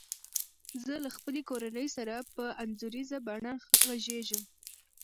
زه له خپلي کورنۍ سره په انځوریزه بڼه غږیږم.